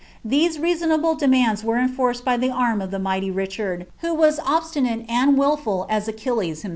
These reasonable demands were enforced by the arm of the iighty Richard, who was as obstinate and wilful as Achilles himself.